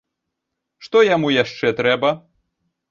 Што яму яшчэ трэба?